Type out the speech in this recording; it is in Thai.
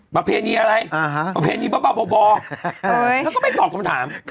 ประเภทนี้อะไรประเภทนี้บ้อเขาก็ไม่ตอบคำถาม